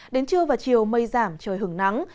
đến trưa và chiều mây giảm trời hứng nắng